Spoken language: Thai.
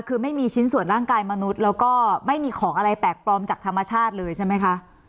คือไม่มีชิ้นส่วนร่างกายมนุษย์แล้วก็ไม่มีของอะไรแปลกปลอมจากธรรมชาติเลยใช่ไหมคะ